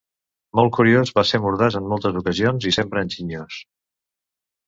Molt curiós, va ser mordaç en moltes ocasions i sempre enginyós.